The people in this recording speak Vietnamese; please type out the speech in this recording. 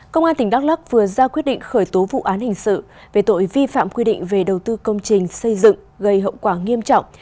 công an tỉnh đắk lắc vừa ra quyết định khởi tố vụ án hình sự về tội vi phạm quy định về đầu tư công trình xây dựng gây hậu quả nghiêm trọng